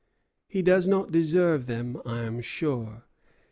He does not deserve them, I am sure.